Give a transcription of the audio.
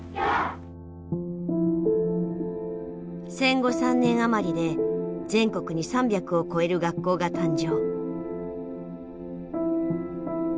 戦後３年あまりで全国に３００を超える学校が誕生。